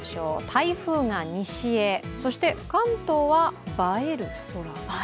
台風が西へ、関東は映える空。